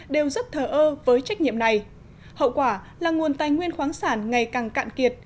đều rất thờ ơ với trách nhiệm này hậu quả là nguồn tài nguyên khoáng sản ngày càng cạn kiệt